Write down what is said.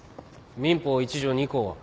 民法１条２項は？